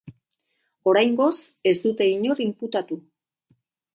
Oraingoz ez dute inor inputatu.